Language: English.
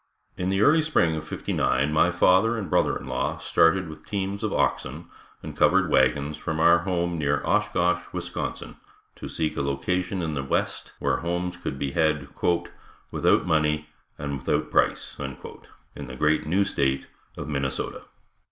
In the early spring of '59 my father and brother in law started with teams of oxen and covered wagons from our home near Oshkosh, Wisconsin, to seek a location in the West, where homes could be had "Without money and without price," in the great new state of Minnesota.